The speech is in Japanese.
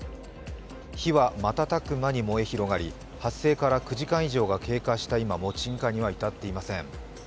火は瞬く間に燃え広がり発生から９時間以上が経過した今も鎮火には至っていません。